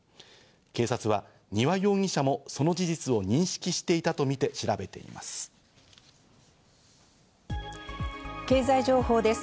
警察は丹羽容疑者もその事実を認識していたとみて調べています。